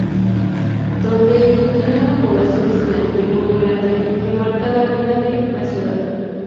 Trondheim tiene una población estudiantil muy grande que marca la vida de la ciudad.